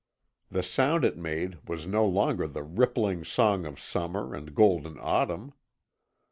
The sound it made was no longer the rippling song of summer and golden autumn.